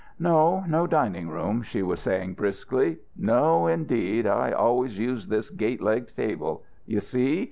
"No; no dining room," she was saying briskly. "No, indeed. I always use this gate legged table. You see?